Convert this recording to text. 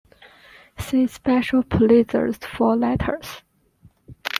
See Special Pulitzers for Letters.